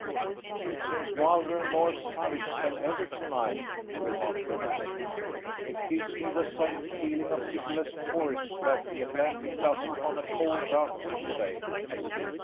"It seems wilder and more savage than ever to night," remarked the American. "It gives me the same feeling of pitiless force that the Atlantic does upon a cold, dark, winter day.